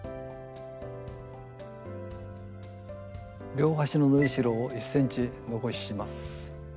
両端の縫いしろを１ｃｍ残します。